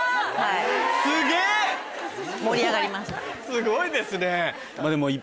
すごいですね！